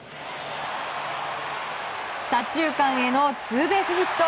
左中間へのツーベースヒット。